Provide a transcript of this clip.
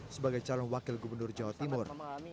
sebagai calon wakil gubernur jawa timur